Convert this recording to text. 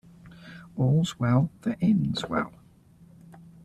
All's well that ends well.